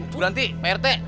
bu ranti pak rt